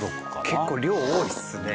結構量多いっすね。